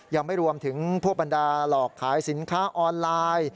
ยังไม่รวมถึงพวกบรรดาหลอกขายสินค้าออนไลน์